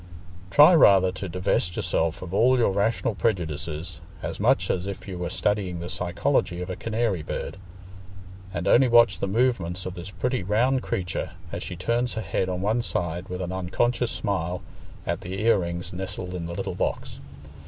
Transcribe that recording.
Try rather to divest yourself of all your rational prejudices, as much as if you were studying the psychology of a canary bird, and only watch the movements of this pretty round creature as she turns her head on one side with an unconscious smile at the ear rings nestled in the little box.